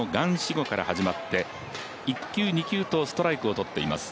語から始まって１球、２球とストライクをとっています。